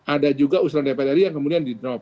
ada juga usulan dprd yang kemudian di drop